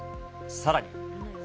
さらに。